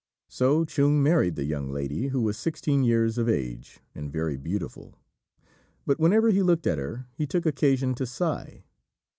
So Chung married the young lady, who was sixteen years of age, and very beautiful; but whenever he looked at her he took occasion to sigh.